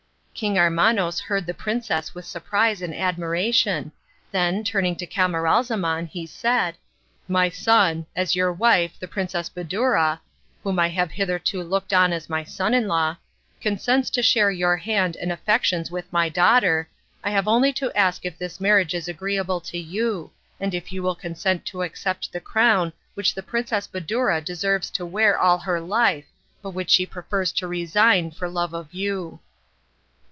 King Armanos heard the princess with surprise and admiration, then, turning to Camaralzaman, he said, "My son, as your wife, the Princess Badoura (whom I have hitherto looked on as my son in law), consents to share your hand and affections with my daughter, I have only to ask if this marriage is agreeable to you, and if you will consent to accept the crown which the Princess Badoura deserves to wear all her life, but which she prefers to resign for love of you."